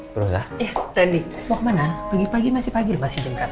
terus ah rendi mau kemana pagi pagi masih pagi masih jam berapa sih